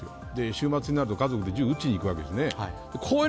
週末になると家族で銃を撃ちに行くわけです。